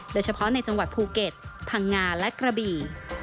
โดยเฉพาะในจังหวัดภูเก็ตพังงาและกระบี่